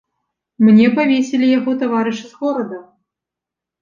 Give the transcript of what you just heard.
Мне павесілі яго таварышы з горада.